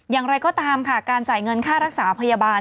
อย่างไรก็ตามค่ะการจ่ายเงินค่ารักษาพยาบาล